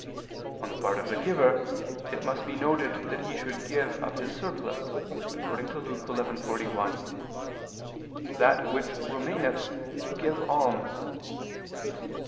On the part of the giver, it must be noted that he should give of his surplus, according to Luke 11:41: "That which remaineth, give alms."